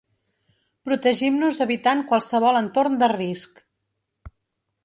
Protegim-nos evitant qualsevol entorn de risc.